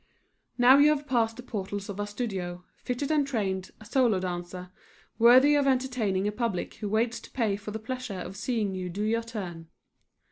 Now you have passed the portals of our studio, fitted and trained, a solo dancer, worthy of entertaining a public who waits to pay for the pleasure of seeing you do your turn.